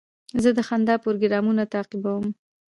زه د خندا پروګرامونه تعقیبوم.